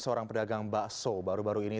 seorang pedagang bakso baru baru ini